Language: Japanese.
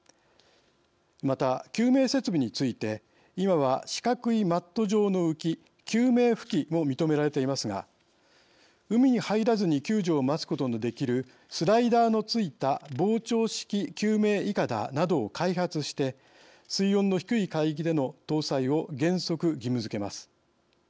また、救命設備について今は、四角いマット状の浮き「救命浮器」も認められていますが海に入らずに救助を待つことのできるスライダーの付いた膨張式救命いかだなどを開発して水温の低い海域での搭載を原則、義務づけます。